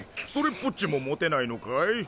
っぽっちも持てないのかい？